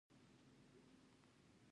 د پښو د چاودیدو لپاره موم او تېل وکاروئ